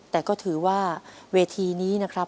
แต่ก็ถือว่าเวทีนี้นะครับ